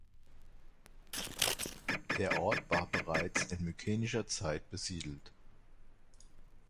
Der Ort war bereits in mykenischer Zeit besiedelt.